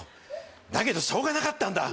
だけど、しょうがなかった。